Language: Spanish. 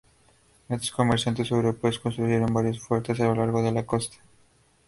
Estos comerciantes europeos construyeron varios fuertes a lo largo de la costa.